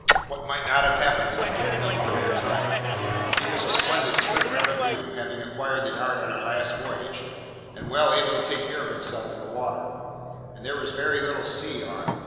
What might not have happened to the poor fellow in that time? He was a splendid swimmer, I knew, having acquired the art on our last voyage, and well able to take care of himself in the water; and there was very little sea on.